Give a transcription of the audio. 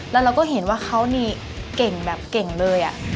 แล้วเราก็เห็นว่าเขานี่เก่งแบบเก่งเลย